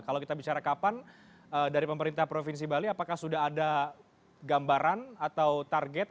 kalau kita bicara kapan dari pemerintah provinsi bali apakah sudah ada gambaran atau target